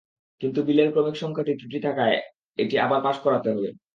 কিন্তু বিলের ক্রমিক সংখ্যায় ত্রুটি থাকায় এটি আবার পাস করাতে হবে।